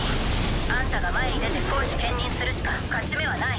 あんたが前に出て攻守兼任するしか勝ち目はない。